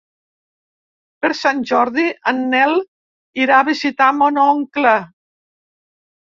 Per Sant Jordi en Nel irà a visitar mon oncle.